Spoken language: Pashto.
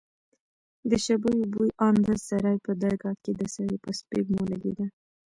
د شبيو بوى ان د سراى په درگاه کښې د سړي په سپږمو لگېده.